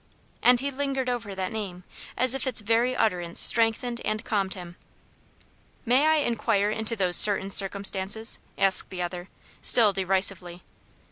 And he lingered over that name, as if its very utterance strengthened and calmed him. "May I inquire into those 'certain circumstances'?" asked the other, still derisively.